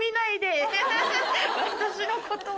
私のことは。